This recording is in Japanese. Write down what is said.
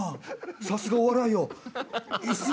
さすがお笑い王。